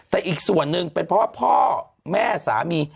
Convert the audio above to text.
แต่อีกส่วนหนึ่งเป็นเพราะว่าพ่อแม่สามี